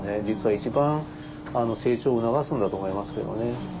実は一番成長を促すんだと思いますけどね。